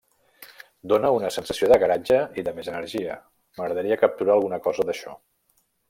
Dóna una sensació de garatge i de més energia, m'agradaria capturar alguna cosa d'això.